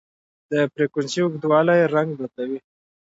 د فریکونسۍ لوړوالی رنګ بدلوي.